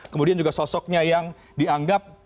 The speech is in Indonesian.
kemudian juga sosoknya yang dianggap agak jarang ya